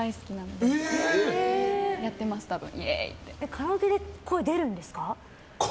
カラオケで声、出るんですか？